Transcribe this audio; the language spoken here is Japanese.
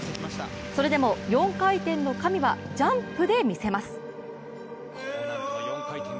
それでも４回転の神はジャンプで見せます。